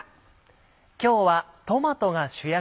今日はトマトが主役。